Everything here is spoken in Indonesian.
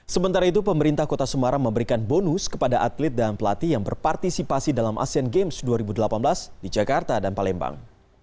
sementara itu pemerintah kota semarang memberikan bonus kepada atlet dan pelatih yang berpartisipasi dalam asean games dua ribu delapan belas di jakarta dan palembang